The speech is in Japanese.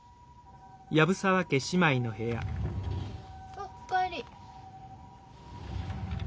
おっお帰り。